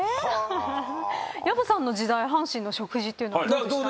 藪さんの時代阪神の食事というのはどうでした？